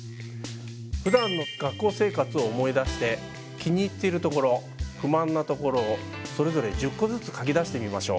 ふだんの学校生活を思い出して気に入っている所不満な所をそれぞれ１０個ずつ書き出してみましょう。